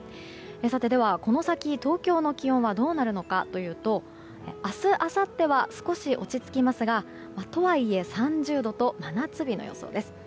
ではこの先東京の気温はどうなるかというと明日あさっては少し落ち着きますがとはいえ、３０度と真夏日の予想です。